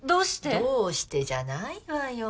どうしてじゃないわよ。